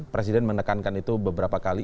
presiden menekankan itu beberapa kali